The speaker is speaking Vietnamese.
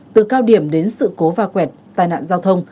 từ cao điểm đến sự cố va quẹt tai nạn giao thông